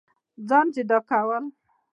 ځان جدا كول